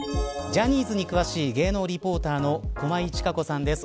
ジャニーズに詳しい芸能リポーターの駒井千佳子さんです。